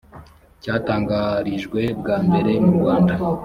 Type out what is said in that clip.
cyatangarijwe bwa mbere murwanda